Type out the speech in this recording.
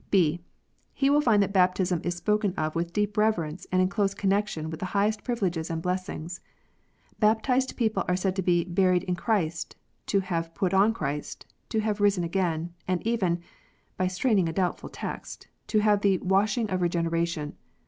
(b) He will find that baptism is spoken of with deep rever ence, and in close connection with the highest privileges and blessings. Baptized people are said to be " buried with Christ," to have " put on Christ," to have " risen again," and even (by straining a doubtful text) to have the "washing of regenera tion."